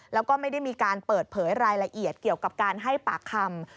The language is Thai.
แล้วก็ไม่ได้มีการเปิดเผยรายละเอียดเกี่ยวกับการให้ปากคำ